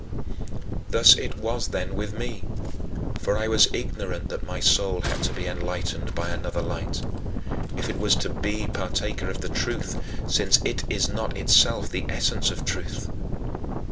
Thus it was then with me, for I was ignorant that my soul had to be enlightened by another light, if it was to be partaker of the truth, since it is not itself the essence of truth.